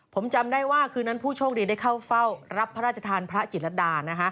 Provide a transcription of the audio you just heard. ผมจำได้ว่าคืนนั้นผู้โชคดีได้เข้าเฝ้ารับพระราชทานพระจิตรดา